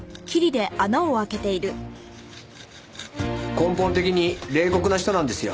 根本的に冷酷な人なんですよ。